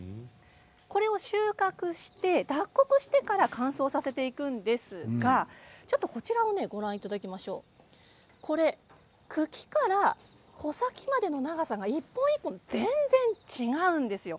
これを収穫して、脱穀してから乾燥させていくんですが茎から穂先までの長さが一本一本、全然違うんですよ。